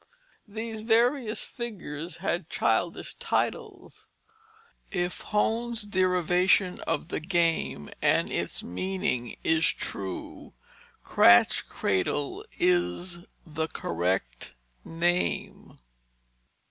These various figures had childish titles. If Hone's derivation of the game and its meaning is true, cratch cradle is the correct name.